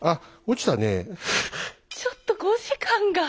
ちょっと５時間が。